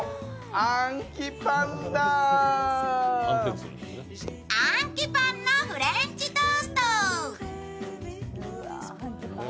アンキパンのフレンチトースト。